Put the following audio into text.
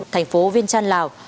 thành phố vinh chanh lào